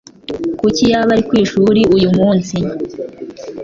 Kuki yaba ari kwishuri uyu munsi?